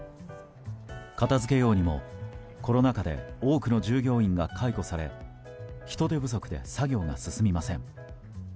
片付けようにもコロナ禍で多くの従業員が解雇され、人手不足で作業が進みません。